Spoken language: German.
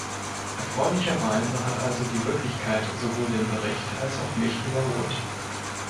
Erfreulicherweise hat also die Wirklichkeit sowohl den Bericht als auch mich überholt.